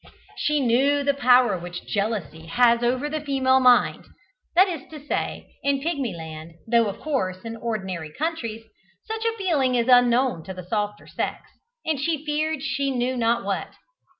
She knew the power which jealousy has over the female mind that is to say, in Pigmyland, though, of course, in ordinary countries, such a feeling is unknown to the softer sex and she feared she knew not what.